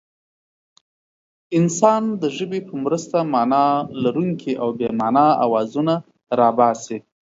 انسان د ژبې په مرسته مانا لرونکي او بې مانا اوازونه را باسي.